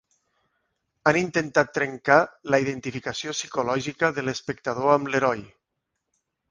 Han intentat trencar la identificació psicològica de l'espectador amb l'heroi.